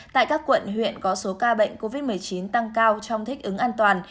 tại các quận huyện có số ca bệnh covid một mươi chín tăng cao trong thích ứng an toàn